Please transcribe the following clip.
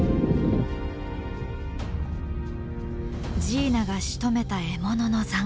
ジーナがしとめた獲物の残骸。